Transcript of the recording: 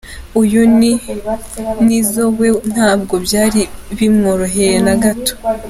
Uyu ni Nizzo we ntabwo byari bimworoheye nagato!.